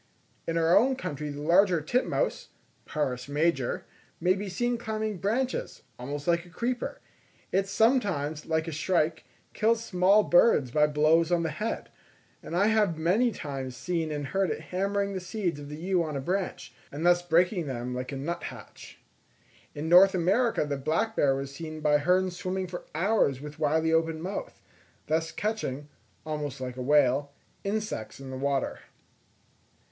In our own country the larger titmouse (Parus major) may be seen climbing branches, almost like a creeper; it sometimes, like a shrike, kills small birds by blows on the head; and I have many times seen and heard it hammering the seeds of the yew on a branch, and thus breaking them like a nuthatch. In North America the black bear was seen by Hearne swimming for hours with widely open mouth, thus catching, almost like a whale, insects in the water.